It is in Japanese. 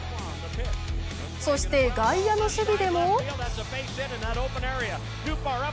そして、外野の守備でも。